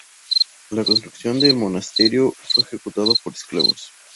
La construcción del monasterio fue ejecutado por esclavos.